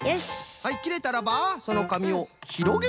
はいきれたらばそのかみをひろげてみましょう！